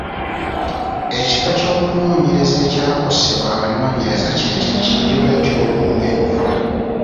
Ekika ky'okunoonyereza ekyakozesebwa abanoonyereza ky'ekyo ekiyitibwa eky'okunnyonnyola.